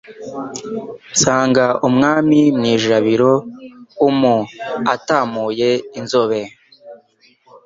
Nsanga Umwami mu ijabiro umu, Atamuye inzobe